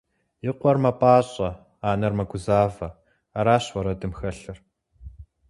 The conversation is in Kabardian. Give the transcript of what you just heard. И къуэр мэпӀащӀэ, анэр мэгузавэ – аращ уэрэдым хэлъыр.